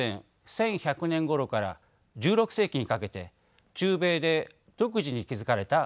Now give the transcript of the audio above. １１００年ごろから１６世紀にかけて中米で独自に築かれた文明でした。